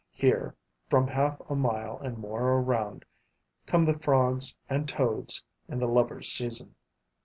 Here, from half a mile and more around, come the frogs and Toads in the lovers' season.